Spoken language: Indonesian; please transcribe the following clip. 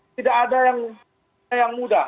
tidak ada yang mudah